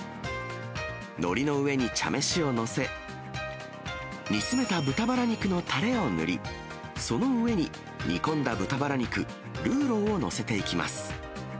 のりの上に茶飯を載せ、煮詰めた豚バラ肉のたれを塗り、その上に煮込んだ豚バラ肉、ルーローを載せていきます。